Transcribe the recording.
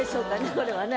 これはね。